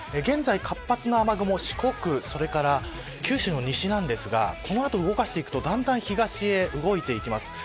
現在活発な雨雲、四国九州の西なんですがこの後動かしていくとだんだん東へ動いていきます。